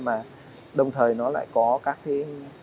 mà đồng thời nó lại có các cái